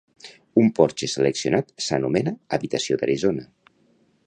Un porxe seleccionat s'anomena 'habitació d'Arizona'.